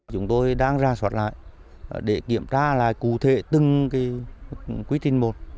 chúng tôi đang ra soát lại để kiểm tra lại cụ thể từng quy trình một